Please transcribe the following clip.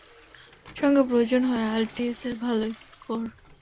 সঙ্গে প্রয়োজন হয় আইইএলটিএসের ভালো স্কোর।